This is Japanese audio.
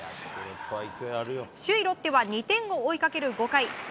首位ロッテは２点を追いかける５回。